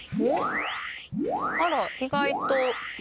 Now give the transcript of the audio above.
あら意外と。